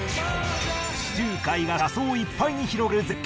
地中海が車窓いっぱいに広がる絶景